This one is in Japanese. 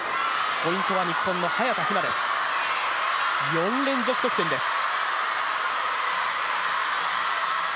ポイントは日本の早田ひなです、４連続得点です。